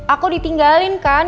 aku ditinggalin kan